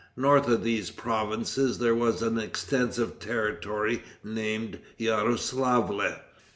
North of these provinces there was an extensive territory named Yaroslavle.